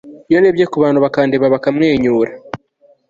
iyo ndebye ku bantu bakandeba bakamwenyura